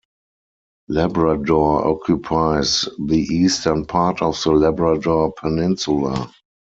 Labrador occupies the eastern part of the Labrador Peninsula.